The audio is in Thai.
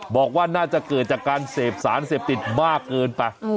บอกว่าน่าจะเกิดจากการเสพสารเสพติดมากเกินไป